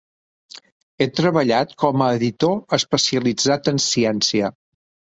He treballat com a editor especialitzat en ciència.